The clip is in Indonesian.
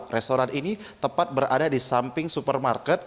restoran ini tepat berada di samping supermarket